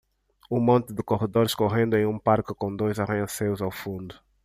Um monte de corredores correndo em um parque com dois arranha-céus ao fundo